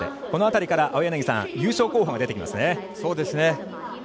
この辺りから優勝候補が出てきますね。